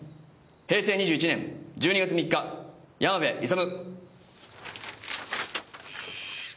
「平成２１年１２月３日山部勇」